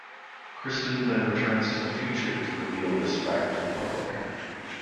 Kristin then returns to the future to reveal this fact to the public.